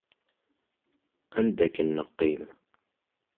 Anda akken i neqqim.